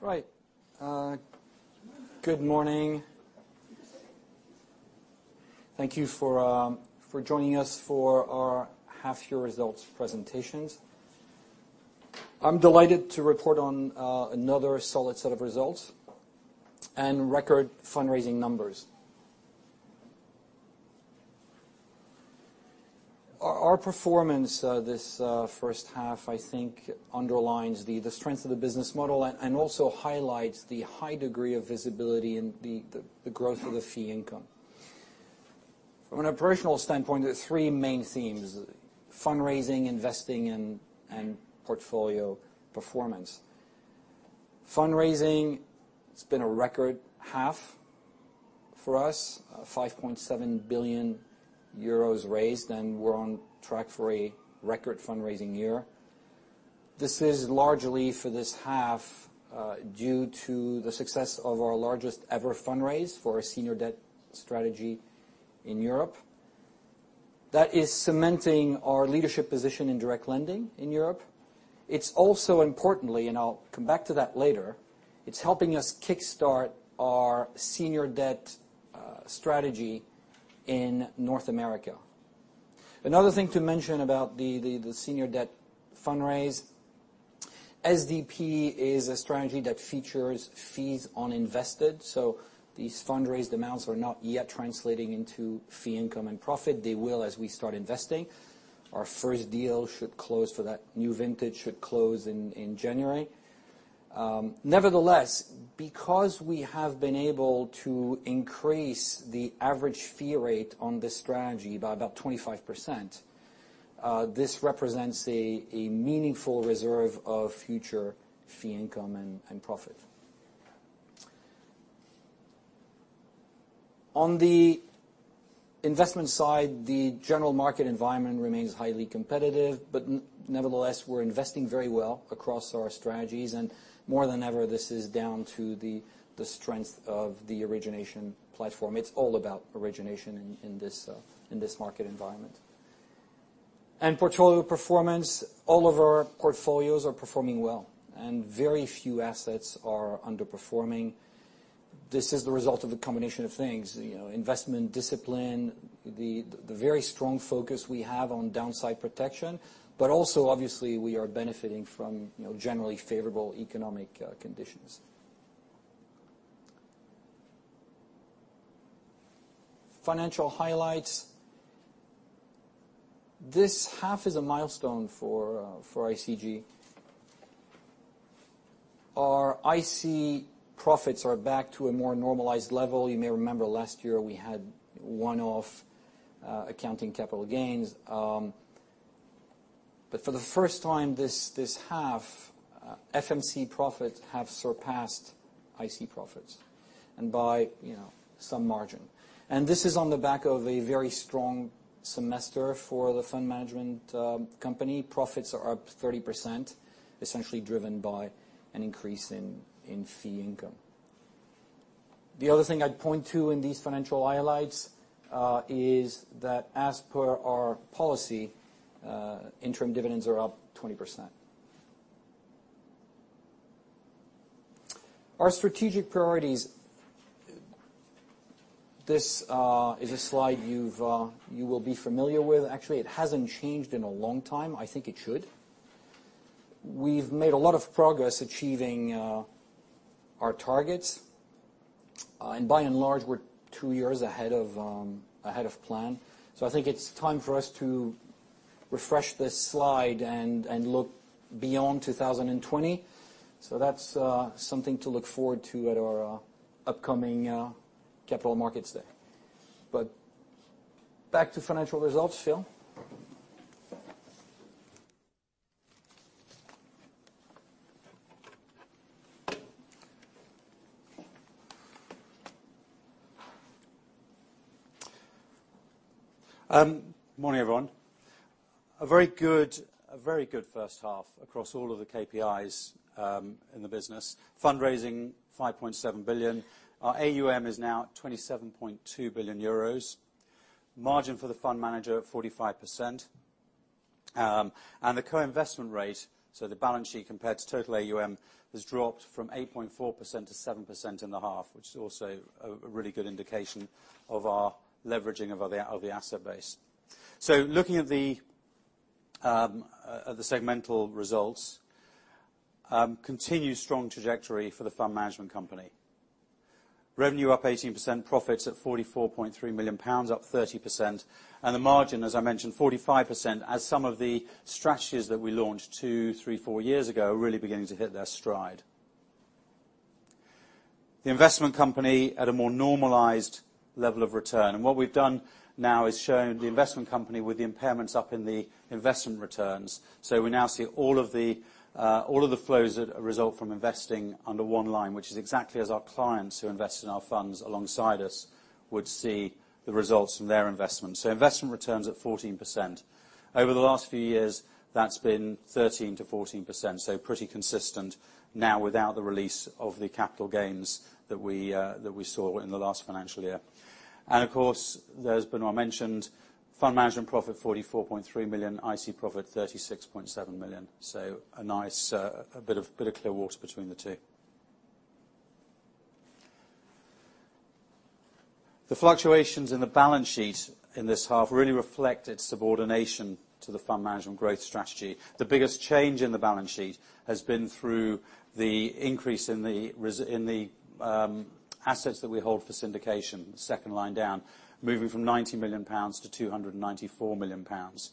Right. Good morning. Thank you for joining us for our half-year results presentations. I'm delighted to report on another solid set of results and record fundraising numbers. Our performance this first half, I think, underlines the strength of the business model and also highlights the high degree of visibility and the growth of the fee income. From an operational standpoint, there are three main themes. Fundraising, investing, and portfolio performance. Fundraising, it's been a record half for us. 5.7 billion euros raised, and we're on track for a record fundraising year. This is largely for this half due to the success of our largest ever fundraise for our senior debt strategy in Europe. That is cementing our leadership position in direct lending in Europe. It's also importantly, and I'll come back to that later, it's helping us kickstart our senior debt strategy in North America. Another thing to mention about the senior debt fundraise, SDP is a strategy that features fees on invested, so these fundraised amounts are not yet translating into fee income and profit. They will as we start investing. Our first deal for that new vintage should close in January. Nevertheless, because we have been able to increase the average fee rate on this strategy by about 25%, this represents a meaningful reserve of future fee income and profit. On the investment side, the general market environment remains highly competitive. Nevertheless, we're investing very well across our strategies, and more than ever, this is down to the strength of the origination platform. It's all about origination in this market environment. Portfolio performance, all of our portfolios are performing well, and very few assets are underperforming. This is the result of a combination of things, investment discipline, the very strong focus we have on downside protection, also, obviously, we are benefiting from generally favorable economic conditions. Financial highlights. This half is a milestone for ICG. Our IC profits are back to a more normalized level. You may remember last year we had one-off accounting capital gains. For the first time this half, FMC profits have surpassed IC profits, and by some margin. This is on the back of a very strong semester for the fund management company. Profits are up 30%, essentially driven by an increase in fee income. The other thing I'd point to in these financial highlights is that as per our policy, interim dividends are up 20%. Our strategic priorities. This is a slide you will be familiar with. Actually, it hasn't changed in a long time. I think it should. We've made a lot of progress achieving our targets. By and large, we're two years ahead of plan. I think it's time for us to refresh this slide and look beyond 2020. That's something to look forward to at our upcoming capital markets day. Back to financial results. Phil? Morning, everyone. A very good first half across all of the KPIs in the business. Fundraising, 5.7 billion. Our AUM is now 27.2 billion euros. Margin for the fund manager at 45%. The co-investment rate, so the balance sheet compared to total AUM, has dropped from 8.4% to 7% in the half, which is also a really good indication of our leveraging of the asset base. Looking at the segmental results. Continued strong trajectory for the fund management company. Revenue up 18%, profits at 44.3 million pounds, up 30%. The margin, as I mentioned, 45%, as some of the strategies that we launched two, three, four years ago are really beginning to hit their stride. The investment company at a more normalized level of return. What we've done now is shown the investment company with the impairments up in the investment returns. We now see all of the flows that result from investing under one line, which is exactly as our clients who invest in our funds alongside us would see the results from their investments. Investment returns at 14%. Over the last few years, that's been 13%-14%, pretty consistent now without the release of the capital gains that we saw in the last financial year. Of course, as Benoît mentioned, fund management profit 44.3 million, IC profit 36.7 million. A nice bit of clear water between the two. The fluctuations in the balance sheet in this half really reflect its subordination to the fund management growth strategy. The biggest change in the balance sheet has been through the increase in the assets that we hold for syndication, second line down, moving from 90 million pounds to 294 million pounds.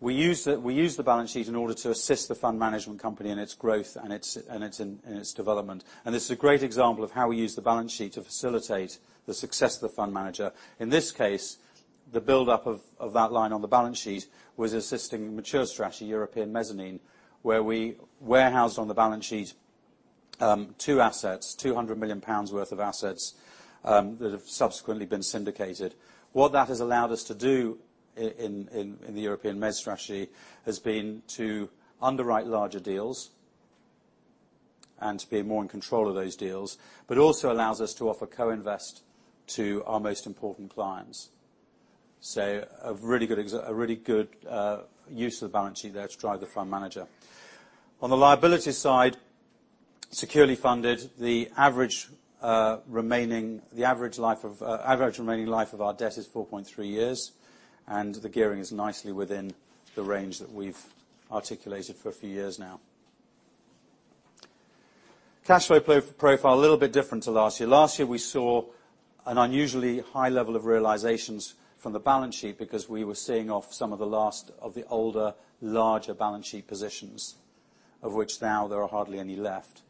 We use the balance sheet in order to assist the fund management company in its growth and its development. This is a great example of how we use the balance sheet to facilitate the success of the fund manager. In this case, the buildup of that line on the balance sheet was assisting mature strategy European Mezzanine, where we warehoused on the balance sheet two assets, 200 million pounds worth of assets, that have subsequently been syndicated. What that has allowed us to do in the European Mezz strategy has been to underwrite larger deals and to be more in control of those deals, but also allows us to offer co-invest to our most important clients. A really good use of the balance sheet there to drive the fund manager. On the liability side, securely funded the average remaining life of our debt is 4.3 years. The gearing is nicely within the range that we've articulated for a few years now. Cash flow profile, a little bit different to last year. Last year, we saw an unusually high level of realizations from the balance sheet because we were seeing off some of the last of the older, larger balance sheet positions, of which now there are hardly any left.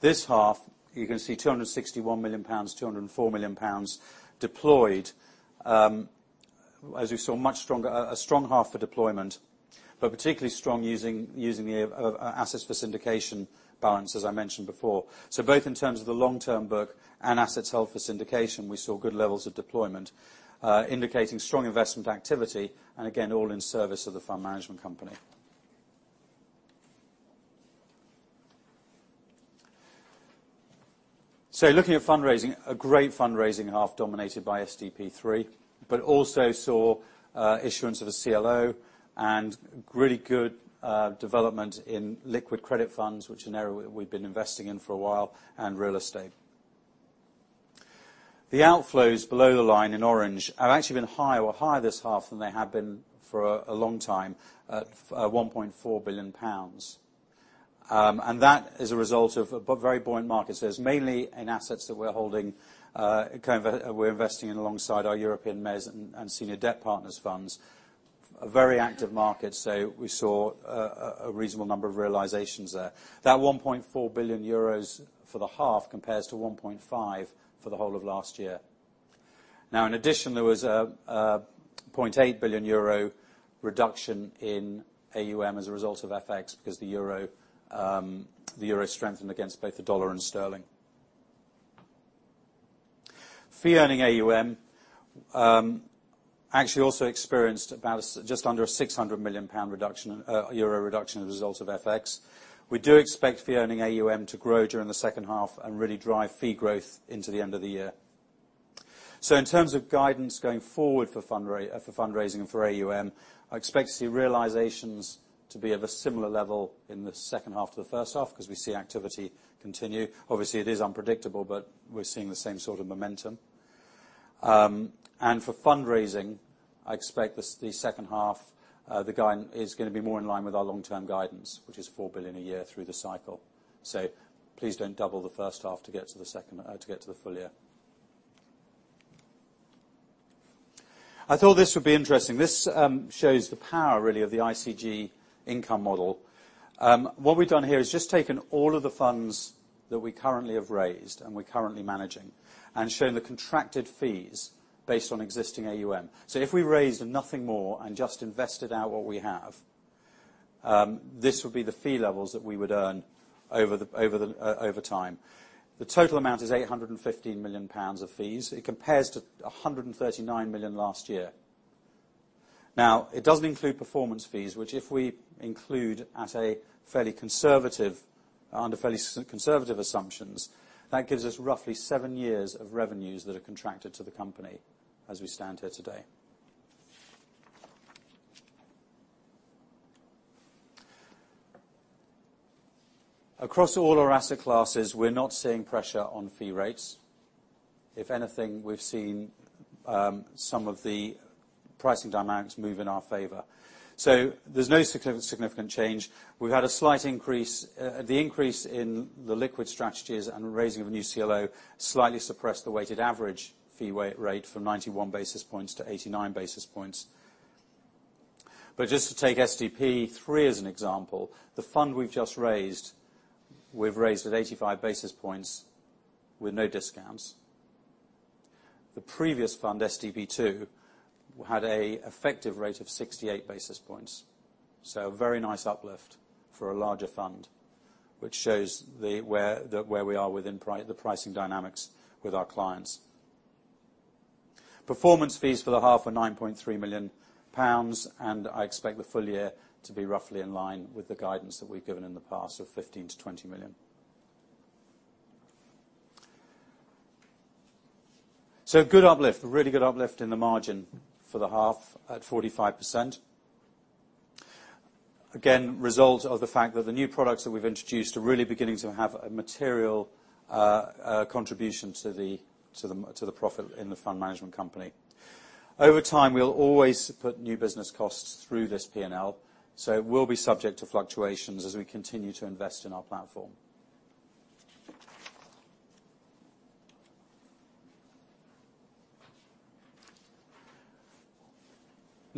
This half, you can see 261 million pounds, 204 million pounds deployed. As we saw, a strong half for deployment, but particularly strong using the assets for syndication balance, as I mentioned before. Both in terms of the long-term book and assets held for syndication, we saw good levels of deployment, indicating strong investment activity, and again, all in service of the fund management company. Looking at fundraising, a great fundraising half dominated by SDP 3, but also saw issuance of a CLO and really good development in liquid credit funds, which we have been investing in for a while, and real estate. The outflows below the line in orange have actually been higher this half than they have been for a long time at 1.4 billion pounds. There is mainly in assets that we are holding, we are investing in alongside our European Mezz and Senior Debt Partners funds. A very active market, we saw a reasonable number of realizations there. That 1.4 billion euros for the half compares to 1.5 for the whole of last year. In addition, there was a 0.8 billion euro reduction in AUM as a result of FX because the euro strengthened against both the dollar and sterling. Fee-earning AUM actually also experienced about just under a 600 million pound euro reduction as a result of FX. We do expect fee-earning AUM to grow during the second half and really drive fee growth into the end of the year. In terms of guidance going forward for fundraising and for AUM, I expect to see realizations to be of a similar level in the second half to the first half because we see activity continue. Obviously, it is unpredictable, but we are seeing the same sort of momentum. For fundraising, I expect the second half is going to be more in line with our long-term guidance, which is 4 billion a year through the cycle. Please don't double the first half to get to the full year. I thought this would be interesting. This shows the power, really, of the ICG income model. What we have done here is just taken all of the funds that we currently have raised and we are currently managing and shown the contracted fees based on existing AUM. If we raised nothing more and just invested out what we have, this would be the fee levels that we would earn over time. The total amount is 815 million pounds of fees. It compares to 139 million last year. It does not include performance fees, which if we include under fairly conservative assumptions, that gives us roughly seven years of revenues that are contracted to the company as we stand here today. Across all our asset classes, we are not seeing pressure on fee rates. If anything, we have seen some of the pricing dynamics move in our favor. There is no significant change. We have had a slight increase. The increase in the liquid strategies and raising of a new CLO slightly suppressed the weighted average fee rate from 91 basis points to 89 basis points. Just to take SDP 3 as an example, the fund we have just raised, we have raised at 85 basis points with no discounts. The previous fund, SDP 2, had an effective rate of 68 basis points. A very nice uplift for a larger fund, which shows where we are within the pricing dynamics with our clients. Performance fees for the half are 9.3 million pounds, and I expect the full year to be roughly in line with the guidance that we have given in the past of 15 million to 20 million. Good uplift, really good uplift in the margin for the half at 45%. Result of the fact that the new products that we've introduced are really beginning to have a material contribution to the profit in the fund management company. Over time, we'll always put new business costs through this P&L, so it will be subject to fluctuations as we continue to invest in our platform.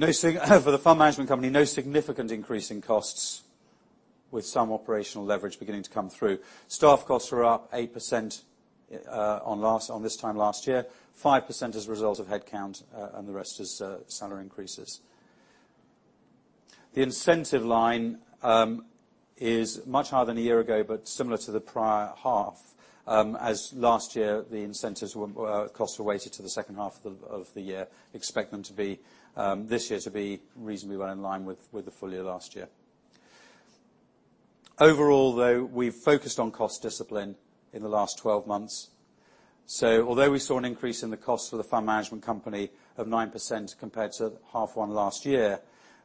For the fund management company, no significant increase in costs with some operational leverage beginning to come through. Staff costs are up 8% on this time last year, 5% as a result of headcount, and the rest is salary increases. The incentive line is much higher than a year ago, but similar to the prior half, as last year, the incentives costs were weighted to the second half of the year. Expect them this year to be reasonably well in line with the full year last year. Overall, though, we've focused on cost discipline in the last 12 months. Although we saw an increase in the cost of the fund management company of 9% compared to half one last year,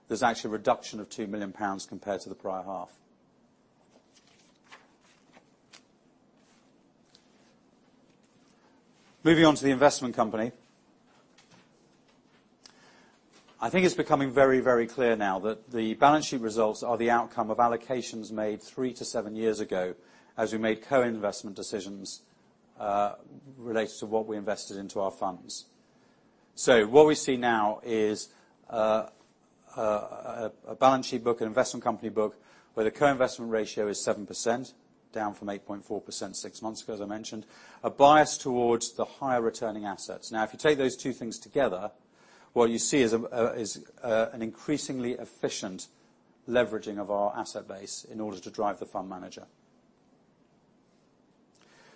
there's actually a reduction of 2 million pounds compared to the prior half. Moving on to the investment company. I think it's becoming very clear now that the balance sheet results are the outcome of allocations made three to seven years ago as we made co-investment decisions related to what we invested into our funds. What we see now is a balance sheet book, an investment company book, where the co-investment ratio is 7%, down from 8.4% six months ago, as I mentioned, a bias towards the higher returning assets. If you take those two things together, what you see is an increasingly efficient leveraging of our asset base in order to drive the fund manager.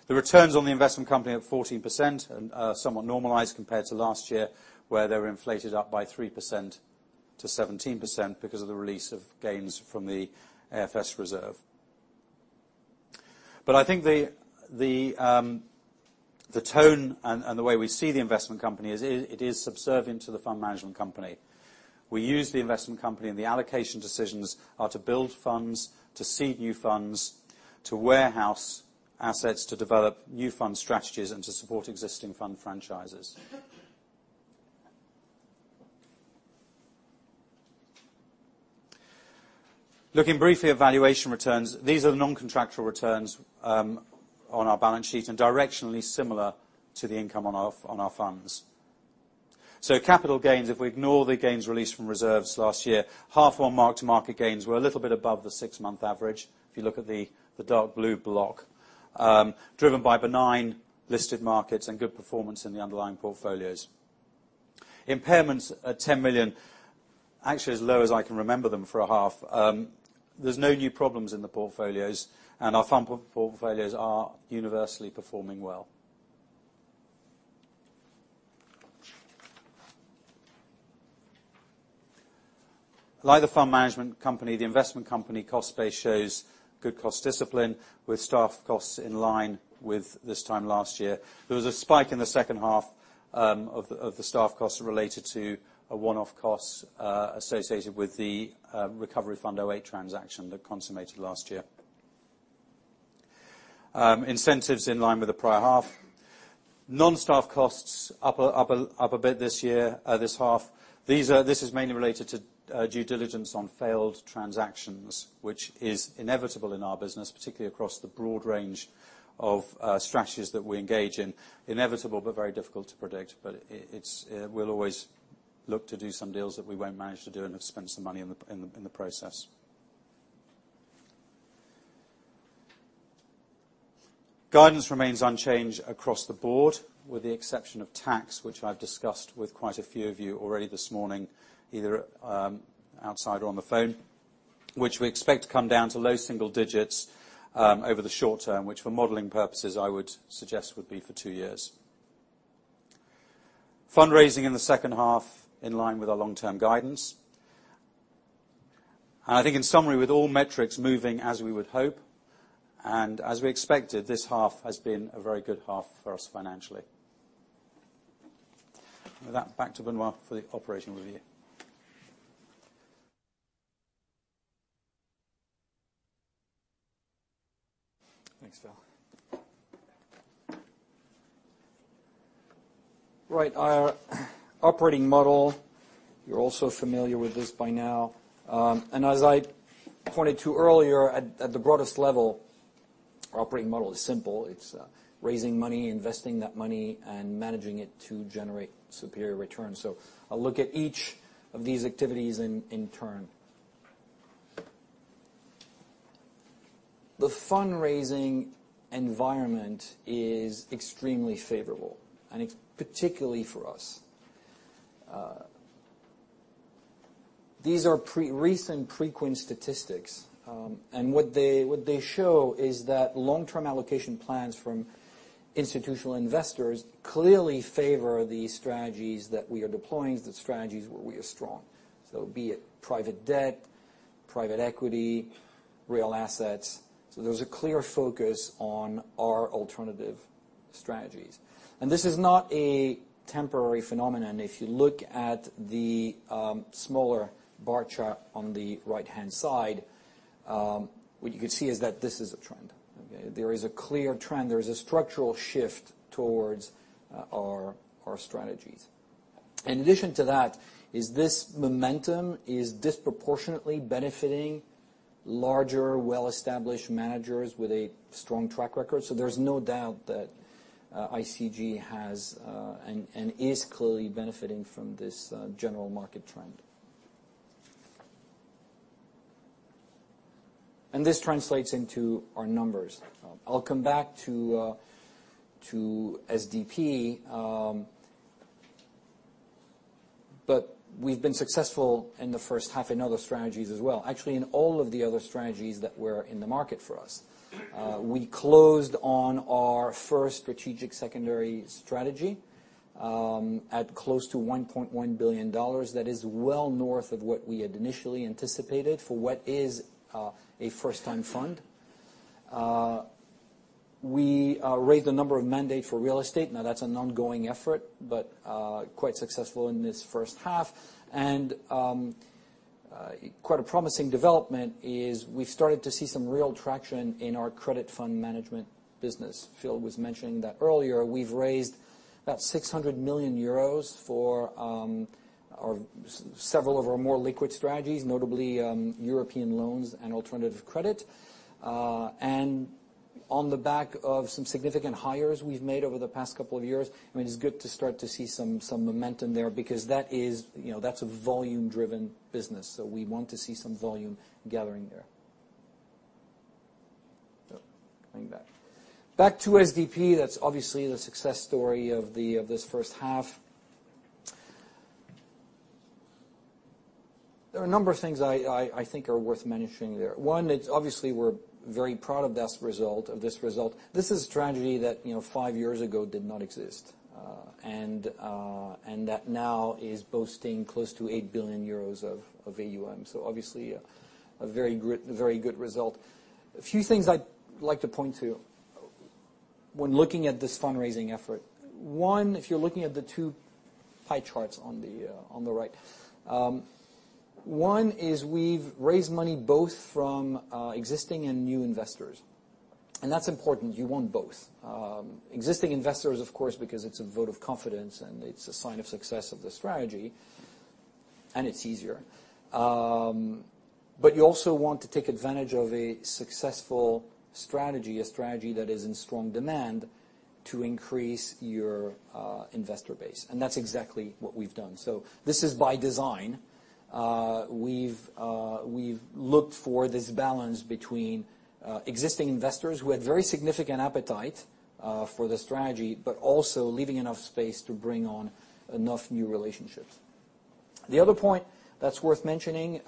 The returns on the investment company at 14% and somewhat normalized compared to last year, where they were inflated up by 3% to 17% because of the release of gains from the AFS reserve. I think the tone and the way we see the investment company is it is subservient to the fund management company. We use the investment company and the allocation decisions are to build funds, to seed new funds, to warehouse assets, to develop new fund strategies, and to support existing fund franchises. Looking briefly at valuation returns, these are the non-contractual returns on our balance sheet and directionally similar to the income on our funds. Capital gains, if we ignore the gains released from reserves last year, half one mark-to-market gains were a little bit above the six-month average, if you look at the dark blue block, driven by benign listed markets and good performance in the underlying portfolios. Impairments at 10 million, actually as low as I can remember them for a half. There's no new problems in the portfolios, and our fund portfolios are universally performing well. Like the fund management company, the investment company cost base shows good cost discipline with staff costs in line with this time last year. There was a spike in the second half of the staff costs related to a one-off cost associated with the Recovery Fund 2008 transaction that consummated last year. Incentives in line with the prior half. Non-staff costs up a bit this year, this half. This is mainly related to due diligence on failed transactions, which is inevitable in our business, particularly across the broad range of strategies that we engage in. Inevitable but very difficult to predict, but we'll always look to do some deals that we won't manage to do and have spent some money in the process. Guidance remains unchanged across the board, with the exception of tax, which I've discussed with quite a few of you already this morning, either outside or on the phone, which we expect to come down to low single digits over the short term, which for modeling purposes I would suggest would be for two years. Fundraising in the second half in line with our long-term guidance. I think in summary, with all metrics moving as we would hope and as we expected, this half has been a very good half for us financially. With that, back to Benoît for the operational review. Thanks, Phil. Right, our operating model. You're all so familiar with this by now. As I pointed to earlier, at the broadest level, our operating model is simple. It's raising money, investing that money, and managing it to generate superior returns. I'll look at each of these activities in turn. The fundraising environment is extremely favorable, and particularly for us. These are recent Preqin statistics. What they show is that long-term allocation plans from institutional investors clearly favor the strategies that we are deploying, the strategies where we are strong. Be it private debt, private equity, real assets. There's a clear focus on our alternative strategies. This is not a temporary phenomenon. If you look at the smaller bar chart on the right-hand side, what you can see is that this is a trend, okay? There is a clear trend. There is a structural shift towards our strategies. In addition to that is this momentum is disproportionately benefiting larger, well-established managers with a strong track record. There's no doubt that ICG has, and is clearly benefiting from this general market trend. This translates into our numbers. I'll come back to SDP. We've been successful in the first half in other strategies as well, actually, in all of the other strategies that were in the market for us. We closed on our first strategic secondary strategy at close to $1.1 billion. That is well north of what we had initially anticipated for what is a first-time fund. We raised a number of mandate for real estate. Now, that's an ongoing effort, but quite successful in this first half. Quite a promising development is we've started to see some real traction in our credit fund management business. Phil was mentioning that earlier. We've raised about 600 million euros for several of our more liquid strategies, notably European loans and alternative credit. On the back of some significant hires we've made over the past couple of years, it is good to start to see some momentum there because that's a volume-driven business. We want to see some volume gathering there. Going back. Back to SDP. That's obviously the success story of this first half. There are a number of things I think are worth mentioning there. One, it's obviously we're very proud of this result. This is a strategy that five years ago did not exist. That now is boasting close to 8 billion euros of AUM. Obviously, a very good result. A few things I'd like to point to when looking at this fundraising effort. One, if you're looking at the two pie charts on the right. One is we've raised money both from existing and new investors, and that's important. You want both. Existing investors, of course, because it's a vote of confidence, and it's a sign of success of the strategy, and it's easier. You also want to take advantage of a successful strategy, a strategy that is in strong demand to increase your investor base. That's exactly what we've done. This is by design. We've looked for this balance between existing investors who had very significant appetite for the strategy, but also leaving enough space to bring on enough new relationships. The other point that's worth mentioning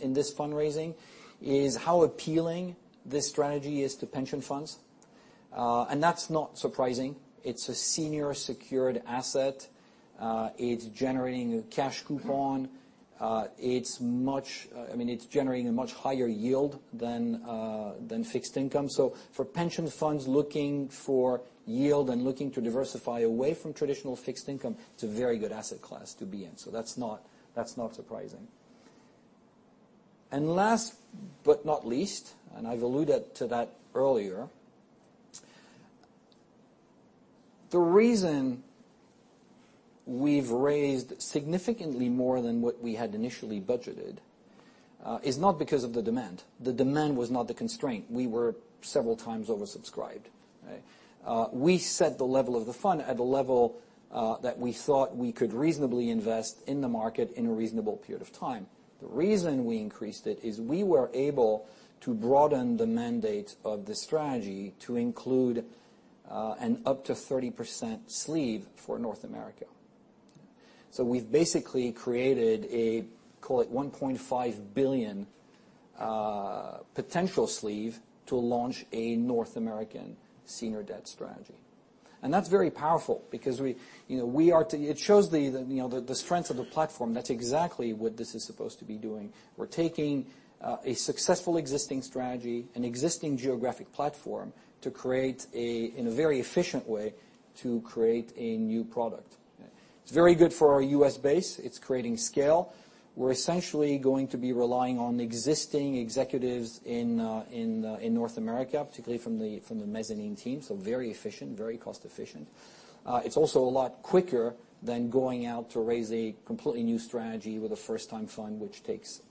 in this fundraising is how appealing this strategy is to pension funds. That's not surprising. It's a senior secured asset. It's generating a cash coupon. It's generating a much higher yield than fixed income. For pension funds looking for yield and looking to diversify away from traditional fixed income, it's a very good asset class to be in. That's not surprising. Last but not least, and I've alluded to that earlier. The reason we've raised significantly more than what we had initially budgeted is not because of the demand. The demand was not the constraint. We were several times oversubscribed, okay? We set the level of the fund at the level that we thought we could reasonably invest in the market in a reasonable period of time. The reason we increased it is we were able to broaden the mandate of the strategy to include an up to 30% sleeve for North America. We've basically created a, call it $1.5 billion potential sleeve to launch a North American senior debt strategy. That's very powerful because it shows the strength of the platform. That's exactly what this is supposed to be doing. We're taking a successful existing strategy and existing geographic platform to create, in a very efficient way, to create a new product. It's very good for our U.S. base. It's creating scale. We're essentially going to be relying on existing executives in North America, particularly from the mezzanine team. Very efficient, very cost-efficient. It's also a lot quicker than going out to raise a completely new strategy with a first-time fund, which takes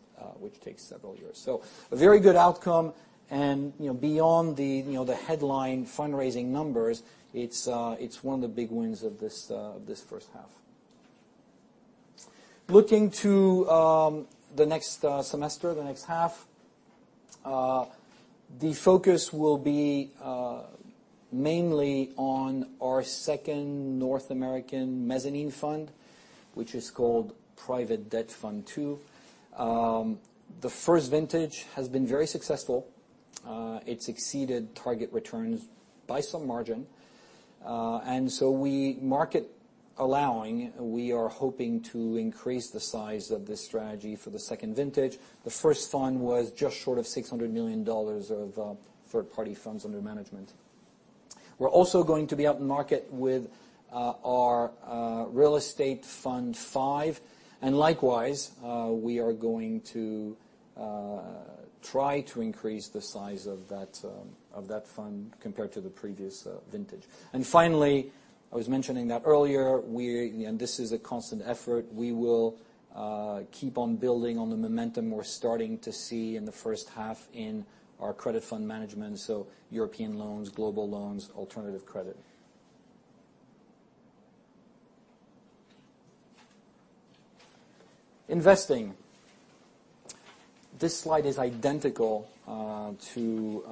several years. A very good outcome. Beyond the headline fundraising numbers, it's one of the big wins of this first half. Looking to the next semester, the next half. The focus will be mainly on our second North American mezzanine fund, which is called Private Debt Fund II. The first vintage has been very successful. It's exceeded target returns by some margin. So we, market allowing, we are hoping to increase the size of this strategy for the second vintage. The first fund was just short of $600 million of third-party funds under management. We're also going to be out in market with our Real Estate Partnership Fund V, Likewise, we are going to try to increase the size of that fund compared to the previous vintage. Finally, I was mentioning that earlier, this is a constant effort, we will keep on building on the momentum we're starting to see in the first half in our credit fund management. European loans, global loans, alternative credit. Investing. This slide is identical to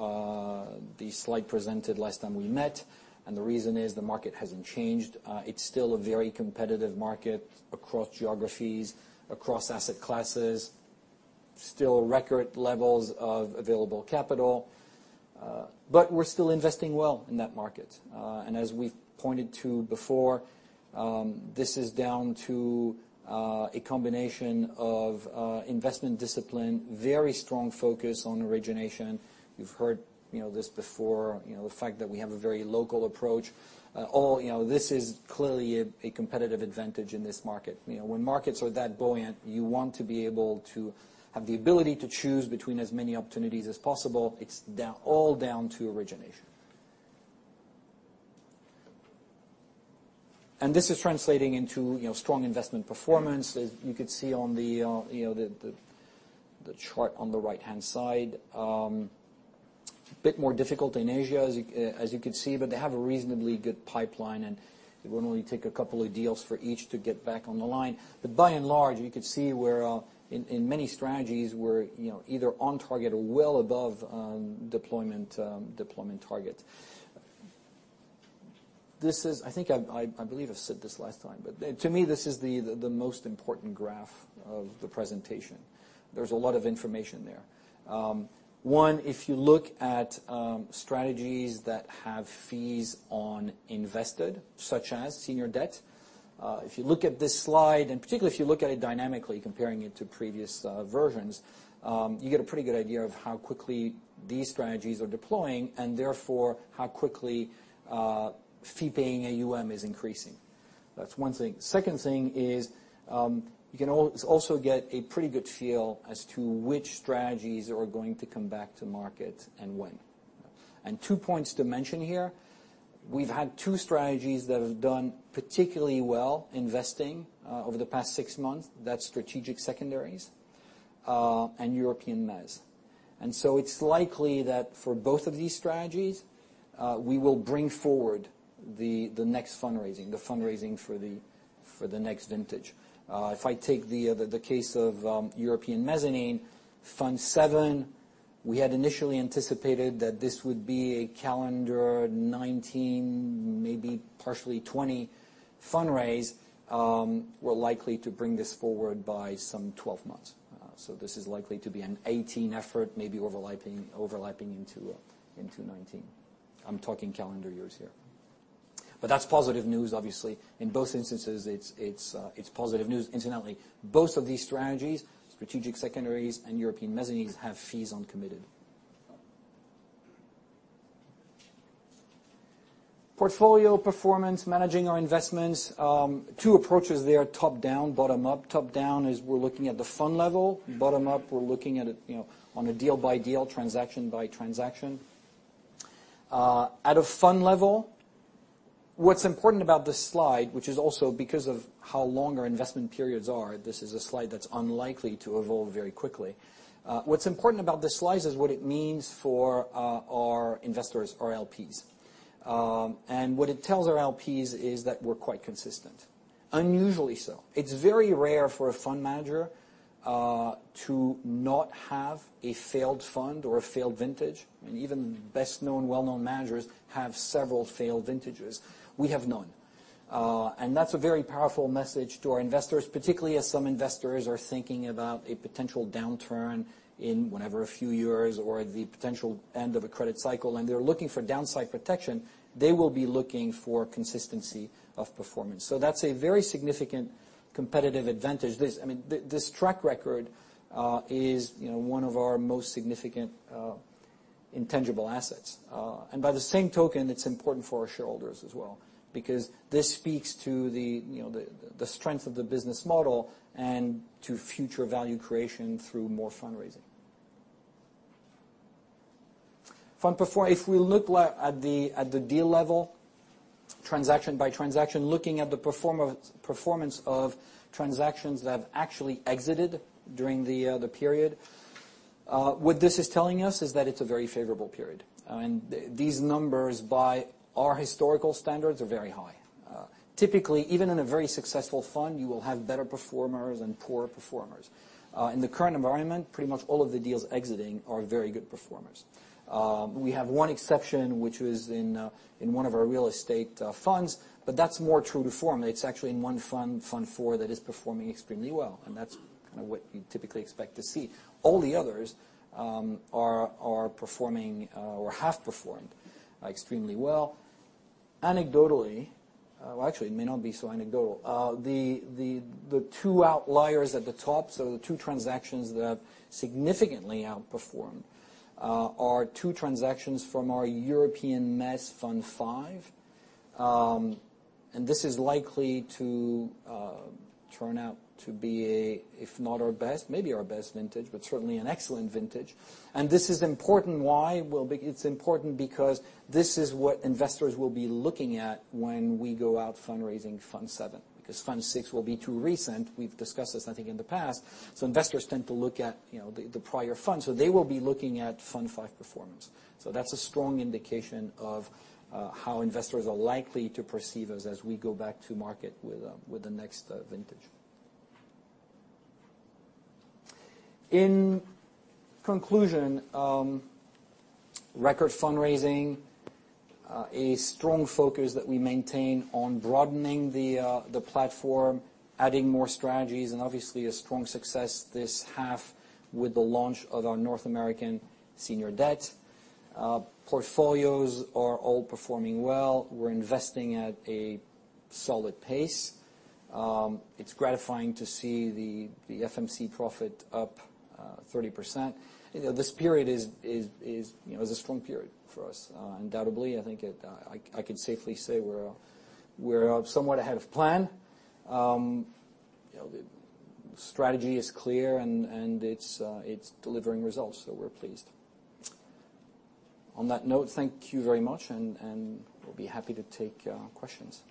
the slide presented last time we met, the reason is the market hasn't changed. It's still a very competitive market across geographies, across asset classes. Still record levels of available capital. We're still investing well in that market. As we pointed to before, this is down to a combination of investment discipline, very strong focus on origination. You've heard this before, the fact that we have a very local approach. This is clearly a competitive advantage in this market. When markets are that buoyant, you want to be able to have the ability to choose between as many opportunities as possible. It's all down to origination. This is translating into strong investment performance, as you could see on the chart on the right-hand side. Bit more difficult in Asia, as you could see, they have a reasonably good pipeline, it will only take a couple of deals for each to get back on the line. By and large, you could see where in many strategies we're either on target or well above deployment target. I believe I said this last time, to me, this is the most important graph of the presentation. There's a lot of information there. One, if you look at strategies that have fees on invested capital, such as Senior Debt Partners. If you look at this slide, particularly if you look at it dynamically, comparing it to previous versions, you get a pretty good idea of how quickly these strategies are deploying and therefore how quickly fee-earning AUM is increasing. That's one thing. Second thing is, you can also get a pretty good feel as to which strategies are going to come back to market and when. Two points to mention here. We've had two strategies that have done particularly well investing over the past six months. That's Strategic Secondaries and European Mezz. So it's likely that for both of these strategies, we will bring forward the next fundraising, the fundraising for the next vintage. If I take the case of European Mezzanine Fund VII, we had initially anticipated that this would be a calendar 2019, maybe partially 2020 fundraise. We're likely to bring this forward by some 12 months. This is likely to be an 2018 effort, maybe overlapping into 2019. I'm talking calendar years here. That's positive news, obviously. In both instances, it's positive news. Incidentally, both of these strategies, Strategic Secondaries and European Mezzanines, have fees on uncommitted capital. Portfolio performance, managing our investments. Two approaches there, top-down, bottom-up. Top-down is we're looking at the fund level. Bottom-up, we're looking at it on a deal-by-deal, transaction-by-transaction. At a fund level, what's important about this slide, which is also because of how long our investment periods are, this is a slide that's unlikely to evolve very quickly. What's important about this slide is what it means for our investors, our LPs. What it tells our LPs is that we're quite consistent. Unusually so. It's very rare for a fund manager to not have a failed fund or a failed vintage. Even best-known, well-known managers have several failed vintages. We have none. That's a very powerful message to our investors, particularly as some investors are thinking about a potential downturn in whenever a few years or the potential end of a credit cycle, and they're looking for downside protection. They will be looking for consistency of performance. That's a very significant competitive advantage. This track record is one of our most significant intangible assets. By the same token, it's important for our shareholders as well because this speaks to the strength of the business model and to future value creation through more fundraising. If we look at the deal level, transaction by transaction, looking at the performance of transactions that have actually exited during the period. What this is telling us is that it's a very favorable period. These numbers by our historical standards are very high. Typically, even in a very successful fund, you will have better performers and poor performers. In the current environment, pretty much all of the deals exiting are very good performers. We have one exception, which was in one of our real estate funds, but that's more true to form. It's actually in one fund, Fund IV, that is performing extremely well, and that's what you typically expect to see. All the others are performing or have performed extremely well. Anecdotally, actually, it may not be so anecdotal. The two outliers at the top, so the two transactions that have significantly outperformed, are two transactions from our European Mezz Fund V. This is likely to turn out to be, if not our best, maybe our best vintage, but certainly an excellent vintage. This is important why? It's important because this is what investors will be looking at when we go out fundraising Fund VII, because Fund VI will be too recent. We've discussed this, I think, in the past. Investors tend to look at the prior fund. They will be looking at Fund V performance. That's a strong indication of how investors are likely to perceive us as we go back to market with the next vintage. In conclusion, record fundraising, a strong focus that we maintain on broadening the platform, adding more strategies, and obviously a strong success this half with the launch of our North American Senior Debt. Portfolios are all performing well. We're investing at a solid pace. It's gratifying to see the FMC profit up 30%. This period is a strong period for us. Undoubtedly, I think I can safely say we're somewhat ahead of plan. The strategy is clear and it's delivering results, we're pleased. On that note, thank you very much, and we'll be happy to take questions.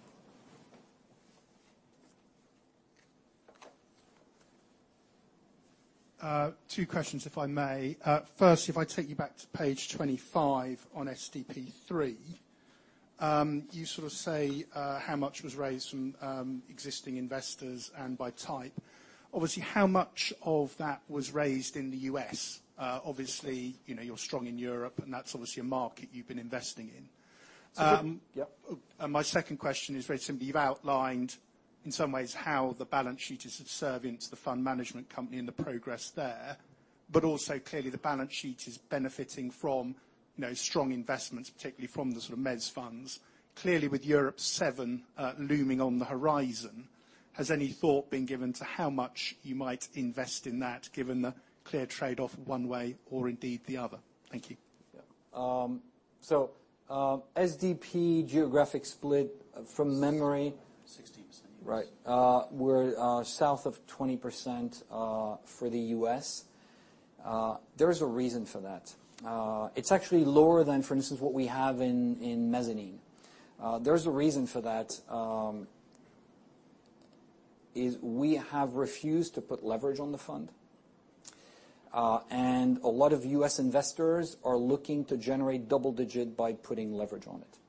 Two questions, if I may. First, if I take you back to page 25 on SDP III. You sort of say how much was raised from existing investors and by type. Obviously, how much of that was raised in the U.S.? Obviously, you're strong in Europe, and that's obviously a market you've been investing in. Sure. Yep. My second question is very simply, you've outlined in some ways how the balance sheet is subservient to the fund management company and the progress there. But also clearly the balance sheet is benefiting from strong investments, particularly from the sort of Mezz funds. Clearly, with Europe VII looming on the horizon, has any thought been given to how much you might invest in that, given the clear trade-off one way or indeed the other? Thank you. Yeah. SDP geographic split from memory. 16. Right. We're south of 20% for the U.S. There is a reason for that. It's actually lower than, for instance, what we have in mezzanine. There is a reason for that, is we have refused to put leverage on the fund. A lot of U.S. investors are looking to generate double-digit by putting leverage on it.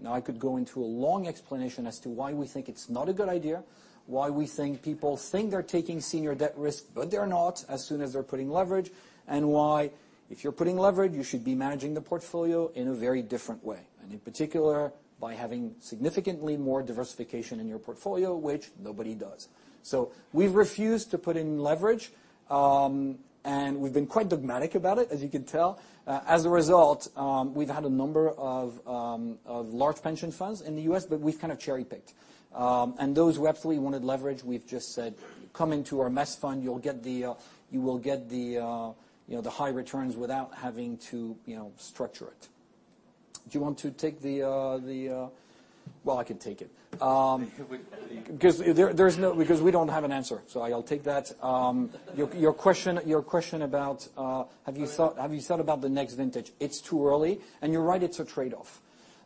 Now, I could go into a long explanation as to why we think it's not a good idea, why we think people think they're taking senior debt risk, but they're not as soon as they're putting leverage, and why, if you're putting leverage, you should be managing the portfolio in a very different way. In particular, by having significantly more diversification in your portfolio, which nobody does. We've refused to put in leverage, and we've been quite dogmatic about it, as you can tell. As a result, we've had a number of large pension funds in the U.S., but we've kind of cherry-picked. Those who absolutely wanted leverage, we've just said, "Come into our Mezz fund. You will get the high returns without having to structure it." Do you want to take the Well, I can take it. We don't have an answer, so I'll take that. Your question about have you thought- Sorry. have you thought about the next vintage? It's too early. You're right, it's a trade-off.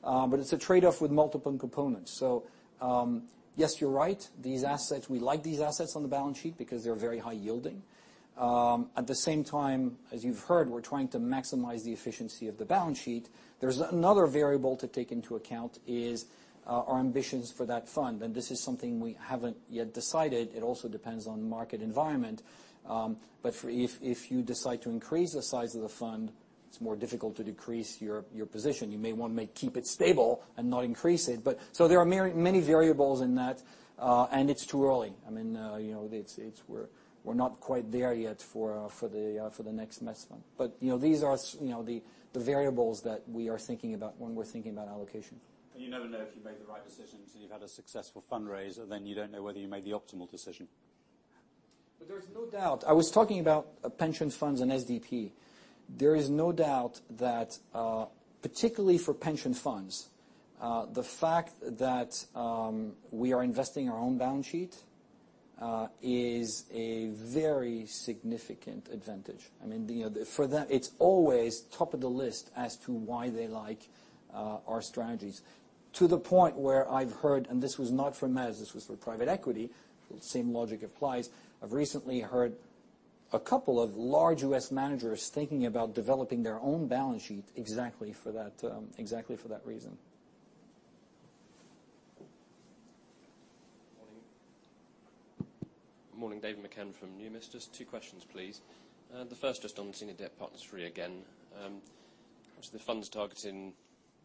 It's a trade-off with multiple components. Yes, you're right. We like these assets on the balance sheet because they're very high yielding. At the same time, as you've heard, we're trying to maximize the efficiency of the balance sheet. There's another variable to take into account is our ambitions for that fund. This is something we haven't yet decided. It also depends on market environment. If you decide to increase the size of the fund, it's more difficult to decrease your position. You may want to keep it stable and not increase it. There are many variables in that, and it's too early. I mean, we're not quite there yet for the next Mezz fund. These are the variables that we are thinking about when we're thinking about allocation. You never know if you've made the right decision until you've had a successful fundraise, and then you don't know whether you made the optimal decision. There is no doubt. I was talking about pension funds and SDP. There is no doubt that, particularly for pension funds, the fact that we are investing our own balance sheet is a very significant advantage. I mean, for them, it's always top of the list as to why they like our strategies. To the point where I've heard, and this was not for Mezz, this was for private equity, but the same logic applies. I've recently heard A couple of large U.S. managers thinking about developing their own balance sheet exactly for that reason. Morning. Morning, David McCann from Numis. Just two questions, please. The first just on Senior Debt Partners III again. The fund's targeting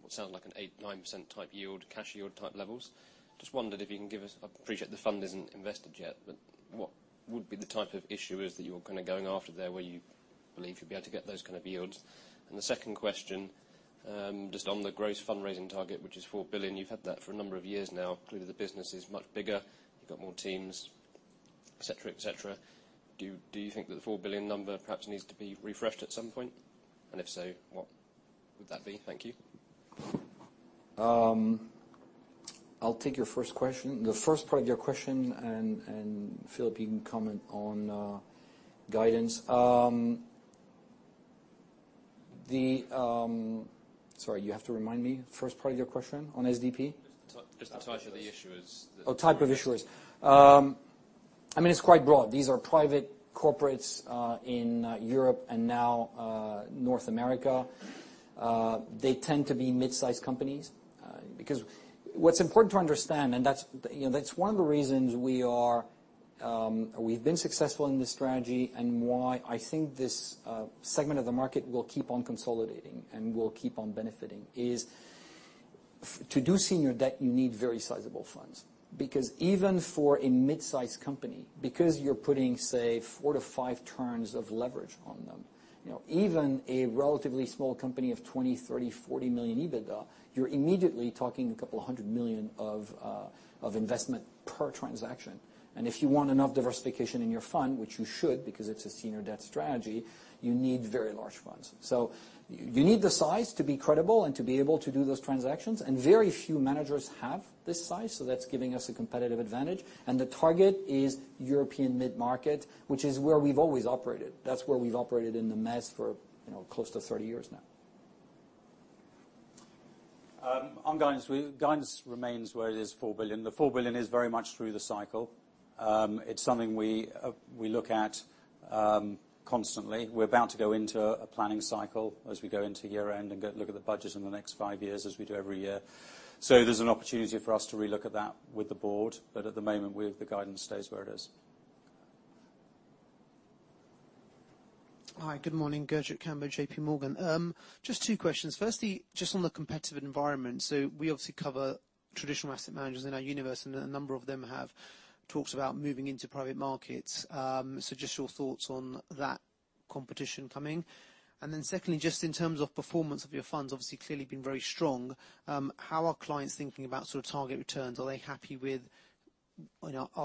what sounds like an 8%, 9% type yield, cash yield type levels. I appreciate the fund isn't invested yet, but what would be the type of issuers that you're going after there, where you believe you'll be able to get those kind of yields? The second question, just on the gross fundraising target, which is 4 billion. You've had that for a number of years now. Clearly the business is much bigger. You've got more teams, et cetera. Do you think that the 4 billion number perhaps needs to be refreshed at some point? If so, what would that be? Thank you. I'll take your first question, the first part of your question, and Philip can comment on guidance. Sorry, you have to remind me, first part of your question on SDP? Just the type of the issuers. Type of issuers. It's quite broad. These are private corporates in Europe and now North America. They tend to be mid-size companies. What's important to understand, and that's one of the reasons we've been successful in this strategy and why I think this segment of the market will keep on consolidating and will keep on benefiting is, to do senior debt, you need very sizable funds. Even for a mid-size company, because you're putting, say, 4-5 turns of leverage on them, even a relatively small company of 20 million, 30 million, 40 million EBITDA, you're immediately talking a couple of hundred million of investment per transaction. If you want enough diversification in your fund, which you should, because it's a senior debt strategy, you need very large funds. You need the size to be credible and to be able to do those transactions, and very few managers have this size, that's giving us a competitive advantage. The target is European mid-market, which is where we've always operated. That's where we've operated in the Mezz for close to 30 years now. On guidance remains where it is, 4 billion. The 4 billion is very much through the cycle. It's something we look at constantly. We're about to go into a planning cycle as we go into year-end and look at the budget in the next 5 years as we do every year. There's an opportunity for us to re-look at that with the board. At the moment, the guidance stays where it is. Hi, good morning. Gurjit Kambo, J.P. Morgan. Just two questions. Firstly, just on the competitive environment. We obviously cover traditional asset managers in our universe, and a number of them have talked about moving into private markets. Just your thoughts on that competition coming. Secondly, just in terms of performance of your funds, obviously clearly been very strong. How are clients thinking about target returns? Are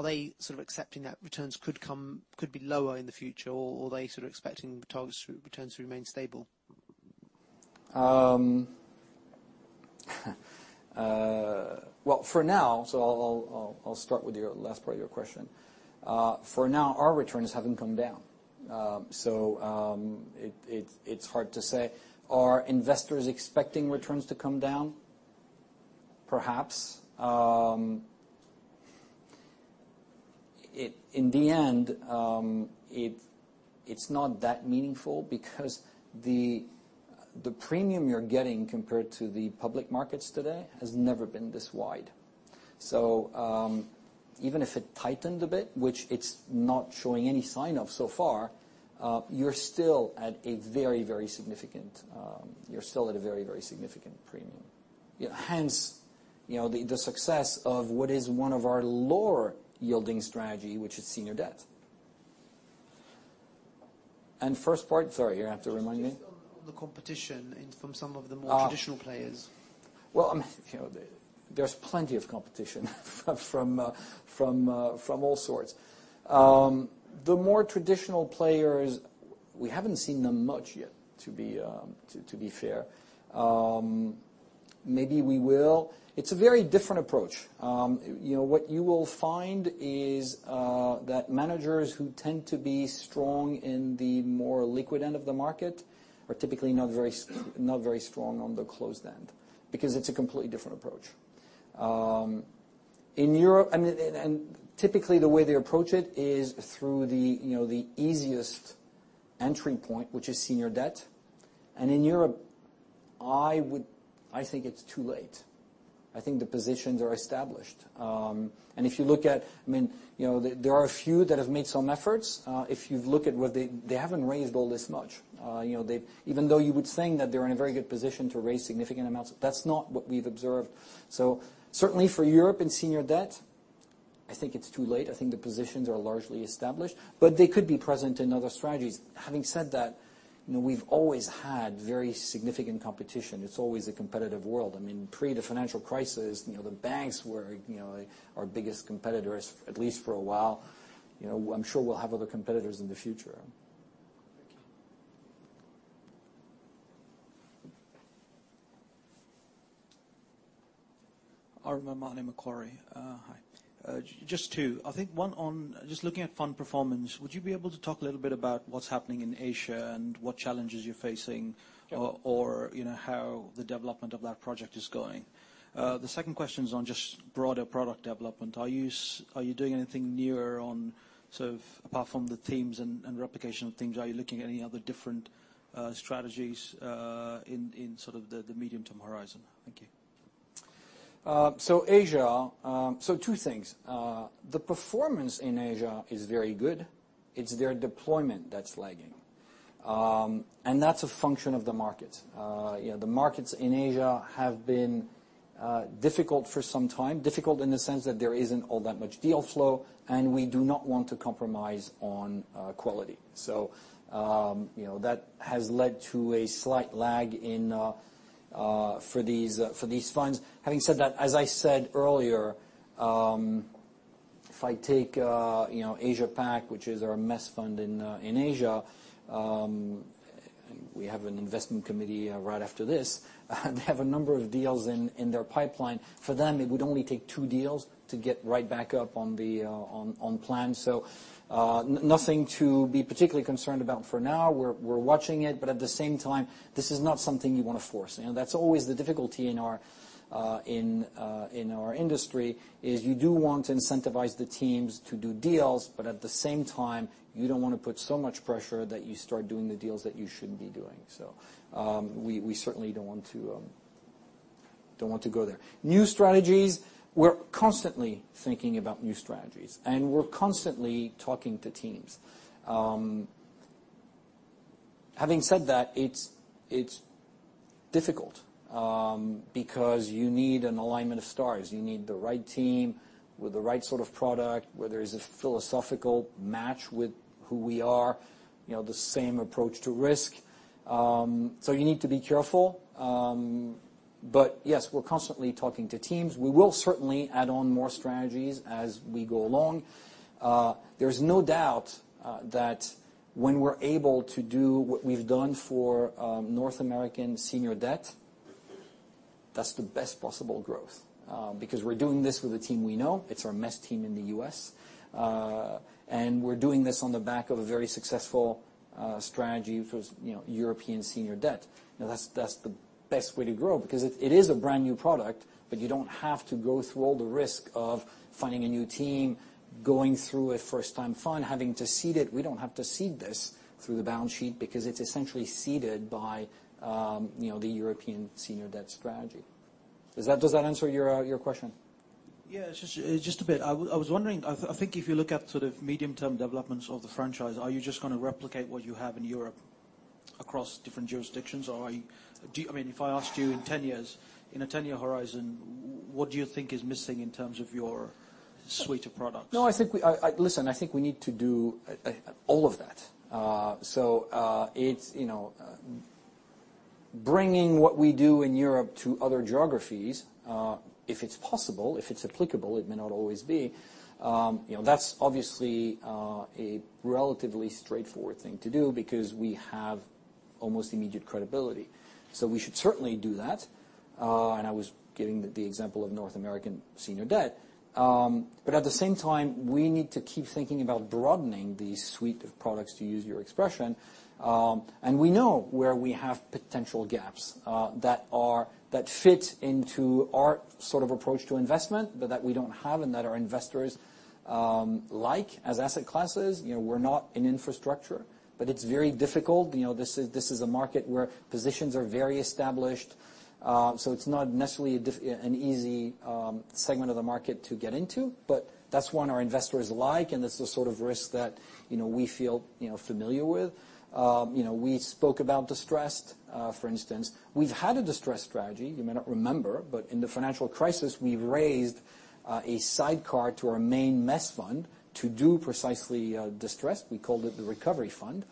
they sort of accepting that returns could be lower in the future, or are they sort of expecting target returns to remain stable? For now, I'll start with your last part of your question. For now, our returns haven't come down. It's hard to say. Are investors expecting returns to come down? Perhaps. In the end, it's not that meaningful because the premium you're getting compared to the public markets today has never been this wide. Even if it tightened a bit, which it's not showing any sign of so far, you're still at a very significant premium. Hence the success of what is one of our lower yielding strategy, which is Senior Debt. First part, sorry, you have to remind me. Just on the competition and from some of the more traditional players. There's plenty of competition from all sorts. The more traditional players, we haven't seen them much yet, to be fair. Maybe we will. It's a very different approach. What you will find is that managers who tend to be strong in the more liquid end of the market are typically not very strong on the closed end, because it's a completely different approach. Typically, the way they approach it is through the easiest entry point, which is Senior Debt. In Europe, I think it's too late. I think the positions are established. There are a few that have made some efforts. If you look at what they haven't raised all this much. Even though you would think that they're in a very good position to raise significant amounts, that's not what we've observed. Certainly for Europe and Senior Debt, I think it's too late. I think the positions are largely established. They could be present in other strategies. Having said that, we've always had very significant competition. It's always a competitive world. Pre the financial crisis, the banks were our biggest competitors, at least for a while. I'm sure we'll have other competitors in the future. Thank you. Arun Mahey, Macquarie. Hi. Just two. I think one on just looking at fund performance. Would you be able to talk a little bit about what's happening in Asia and what challenges you're facing- Sure or how the development of that project is going? The second question is on just broader product development. Are you doing anything newer apart from the themes and replication of themes? Are you looking at any other different strategies in the medium-term horizon? Thank you. Asia. Two things. The performance in Asia is very good. It's their deployment that's lagging. That's a function of the market. The markets in Asia have been difficult for some time. Difficult in the sense that there isn't all that much deal flow, and we do not want to compromise on quality. That has led to a slight lag for these funds. Having said that, as I said earlier, if I take Asia Pac, which is our Mezz fund in Asia, we have an investment committee right after this. They have a number of deals in their pipeline. For them, it would only take two deals to get right back up on plan. Nothing to be particularly concerned about for now. We're watching it, but at the same time, this is not something you want to force. That's always the difficulty in our industry, is you do want to incentivize the teams to do deals, but at the same time, you don't want to put so much pressure that you start doing the deals that you shouldn't be doing. We certainly don't want to go there. New strategies, we're constantly thinking about new strategies, and we're constantly talking to teams. Having said that, it's difficult, because you need an alignment of stars. You need the right team with the right sort of product, where there is a philosophical match with who we are, the same approach to risk. You need to be careful. Yes, we're constantly talking to teams. We will certainly add on more strategies as we go along. There's no doubt that when we're able to do what we've done for North American senior debt, that's the best possible growth. Because we're doing this with a team we know. It's our Mezz team in the U.S. We're doing this on the back of a very successful strategy for European senior debt. That's the best way to grow, because it is a brand-new product, but you don't have to go through all the risk of finding a new team, going through a first-time fund, having to seed it. We don't have to seed this through the balance sheet because it's essentially seeded by the European senior debt strategy. Does that answer your question? Yeah. Just a bit. I was wondering, I think if you look at sort of medium-term developments of the franchise, are you just going to replicate what you have in Europe across different jurisdictions? If I asked you in a 10-year horizon, what do you think is missing in terms of your suite of products? No. Listen, I think we need to do all of that. Bringing what we do in Europe to other geographies, if it's possible, if it's applicable, it may not always be. That's obviously a relatively straightforward thing to do because we have almost immediate credibility. We should certainly do that. I was giving the example of North American senior debt. At the same time, we need to keep thinking about broadening the suite of products, to use your expression. We know where we have potential gaps that fit into our sort of approach to investment, but that we don't have and that our investors like as asset classes. We're not in infrastructure. It's very difficult. This is a market where positions are very established. It's not necessarily an easy segment of the market to get into. That's one our investors like, and it's the sort of risk that we feel familiar with. We spoke about distressed, for instance. We've had a distressed strategy. You may not remember, in the financial crisis, we raised a sidecar to our main Mezz fund to do precisely distressed. We called it the recovery fund.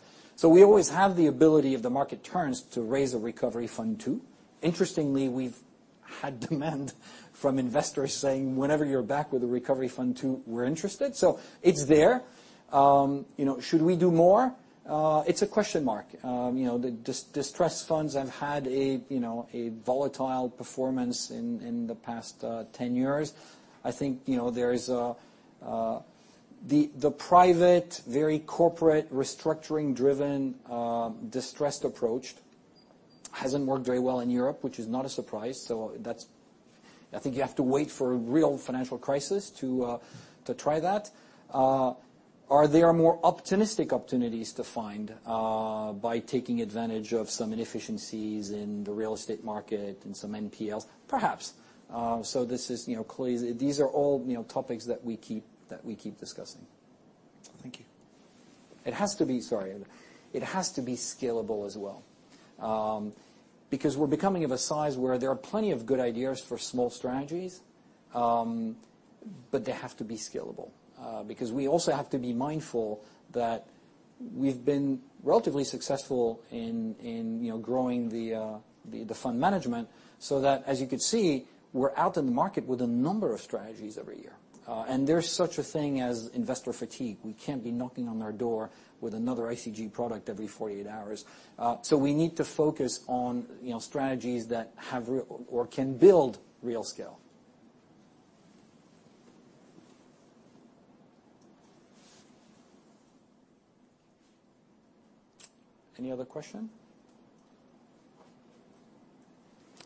We always have the ability, if the market turns, to raise a recovery fund too. Interestingly, we've had demand from investors saying, "Whenever you're back with the recovery fund too, we're interested." It's there. Should we do more? It's a question mark. The distressed funds have had a volatile performance in the past 10 years. I think the private, very corporate restructuring-driven distressed approach hasn't worked very well in Europe, which is not a surprise. I think you have to wait for a real financial crisis to try that. Are there more optimistic opportunities to find by taking advantage of some inefficiencies in the real estate market and some NPLs? Perhaps. These are all topics that we keep discussing. Thank you. It has to be Sorry. It has to be scalable as well. We're becoming of a size where there are plenty of good ideas for small strategies. They have to be scalable. We also have to be mindful that we've been relatively successful in growing the fund management, so that, as you could see, we're out in the market with a number of strategies every year. There's such a thing as investor fatigue. We can't be knocking on their door with another ICG product every 48 hours. We need to focus on strategies that have or can build real scale. Any other question?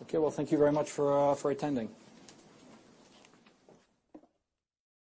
Okay. Well, thank you very much for attending.